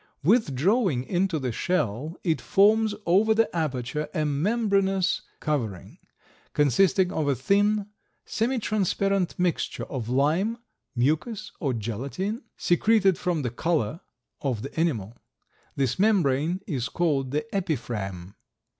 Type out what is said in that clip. "Withdrawing into the shell, it forms over the aperture a membraneous covering, consisting of a thin, semi transparent mixture of lime, mucus or gelatine, secreted from the collar of the animal. This membrane is called the epiphragm.